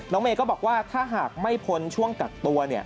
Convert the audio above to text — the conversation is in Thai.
เมย์ก็บอกว่าถ้าหากไม่พ้นช่วงกักตัว